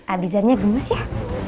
abisannya gemes ya